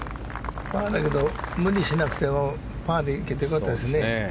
パーだけど無理しなくてもパーでいけて良かったですね。